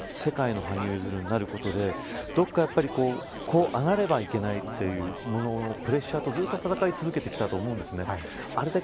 世界の羽生結弦になることでどっかやっぱりこう上がればいけないというもののプレッシャーとずっと戦い続けてきたと思うんですね。